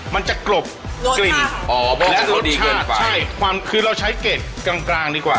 มันจะกรบกลิ่นและรสชาติคือเราใช้เกรดกลางดีกว่า